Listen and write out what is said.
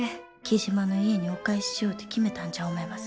雉真の家にお返ししようと決めたんじゃ思います。